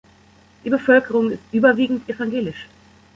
Die Bevölkerung ist überwiegend evangelisch.